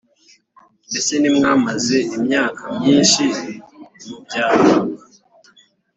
Mbese ntitwamaze imyaka myinshi mu byaha?